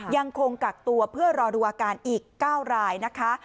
ยังคงกักตัวเพื่อรอดูอาการอีก๙รายนะคะ